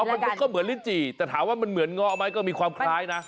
มันก็เหมือนลิ้นจี่แต่ถามว่ามันเหมือนเงาะไหมก็มีความคล้ายนะ